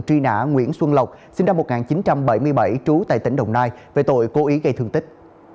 truy nã nguyễn xuân lộc sinh năm một nghìn chín trăm bảy mươi bảy trú tại tỉnh đồng nai về tội cố ý gây thương tích